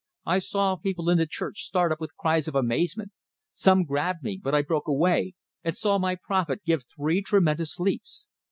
I saw people in the church start up with cries of amazement; some grabbed me, but I broke away and saw my prophet give three tremendous leaps.